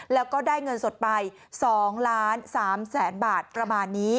แล้วก็ได้เงินสดไป๒ล้าน๓แสนบาทประมาณนี้